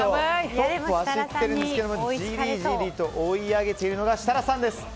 トップを走っているんですがじりじりと追い上げているのが設楽さんです。